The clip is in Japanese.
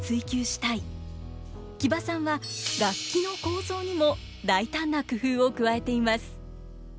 木場さんは楽器の構造にも大胆な工夫を加えています。